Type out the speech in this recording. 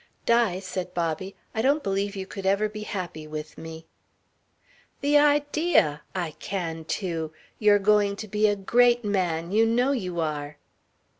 "Di," said Bobby, "I don't believe you could ever be happy with me." "The idea! I can too. You're going to be a great man you know you are."